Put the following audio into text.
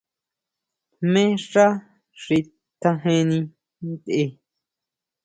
Jmé xá xi tjajeni ntʼe.